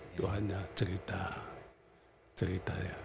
itu hanya cerita ceritanya